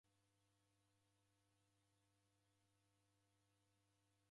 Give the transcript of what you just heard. Pikipiki yaw'unjwa kwa mndu waro.